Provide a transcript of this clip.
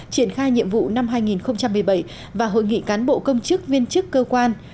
triển khai nhiệm vụ năm hai nghìn một mươi bảy và hội nghị cán bộ công chức viên chức cơ quan